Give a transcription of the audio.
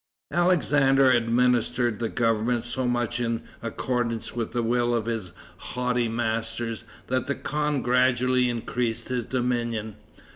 Alexander administered the government so much in accordance with the will of his haughty masters, that the khan gradually increased his dominion.